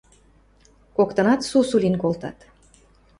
Коктынат сусу лин колтат.